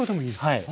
はい。